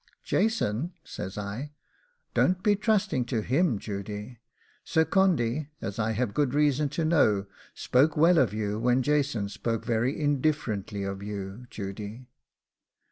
'Jason!' says I; 'don't be trusting to him, Judy. Sir Condy, as I have good reason to know, spoke well of you when Jason spoke very indifferently of you, Judy.